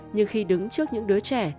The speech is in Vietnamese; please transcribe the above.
nhưng khi đứng trước những đứa trẻ